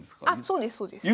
そうですそうです。